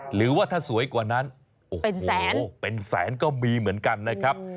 หรือว่าถ้าสวยกว่านั้นโอ้โหเป็นแสนก็มีเหมือนกันนะครับ